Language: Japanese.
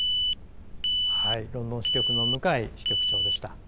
ロンドン支局の向井支局長でした。